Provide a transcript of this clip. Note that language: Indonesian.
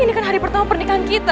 ini kan hari pertama pernikahan kita